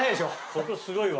ここすごいわ。